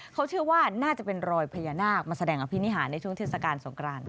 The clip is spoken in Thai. เขาเชื่อว่าน่าจะเป็นรอยพญานาคมาแสดงอภินิหารในช่วงเทศกาลสงคราน